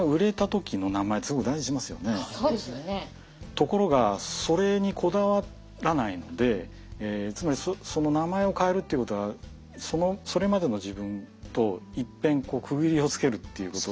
ところがそれにこだわらないのでつまりその名前を変えるっていうことはそれまでの自分といっぺん区切りをつけるっていうこと。